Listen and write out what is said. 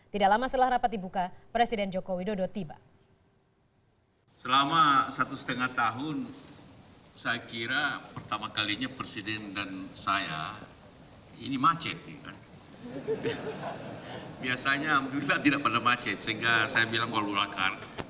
tidak lama setelah rapat dibuka presiden jokowi dodo tiba